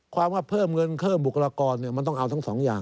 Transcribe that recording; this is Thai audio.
ว่าเพิ่มเงินเพิ่มบุคลากรมันต้องเอาทั้งสองอย่าง